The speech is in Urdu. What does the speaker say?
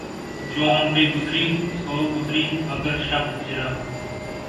جو ہم پہ گزری سو گزری مگر شب ہجراں